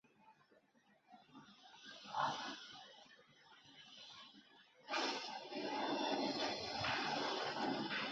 马岭竹为禾本科簕竹属下的一个种。